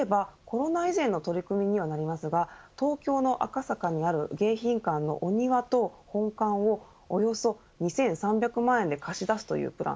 例えばコロナ以前の取り組みにはなりますが東京の赤坂にある迎賓館のお庭と本館をおよそ２３００万円で貸し出すというプラン